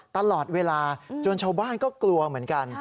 ตลอดเวลาจนชาวบ้านก็กลัวเหมือนกัน